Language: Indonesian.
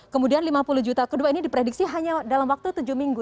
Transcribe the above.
kemudian lima puluh juta kedua ini diprediksi hanya dalam waktu tujuh minggu